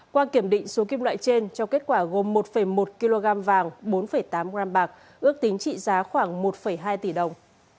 qua kiểm định số kim loại trên cho kết quả gồm một một kg vàng bốn tám gram bạc ước tính trị giá khoảng một hai tỷ đồng